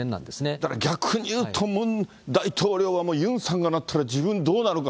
だから逆に言うと、ムン大統領はもうユンさんがなったら、自分、どうなるか。